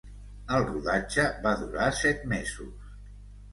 El rodatge va durar set mesos.